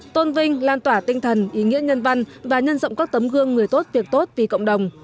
tôn vinh lan tỏa tinh thần ý nghĩa nhân văn và nhân rộng các tấm gương người tốt việc tốt vì cộng đồng